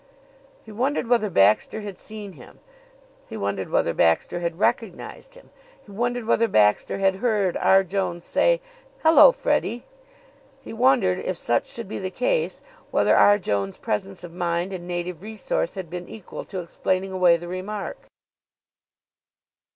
He wondered whether Baxter had seen him. He wondered whether Baxter had recognized him. He wondered whether Baxter had heard R. Jones say, "Hello, Freddie!" He wondered, if such should be the case, whether R. Jones' presence of mind and native resource had been equal to explaining away the remark.